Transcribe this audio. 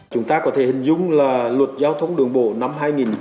chúng ta có thể hình dung là luật giao thông đường bộ năm hai nghìn một mươi